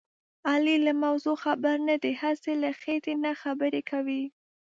علي له موضوع خبر نه دی. هسې له خېټې نه خبرې کوي.